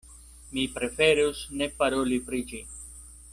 Mi preferus ne paroli pri ĝi.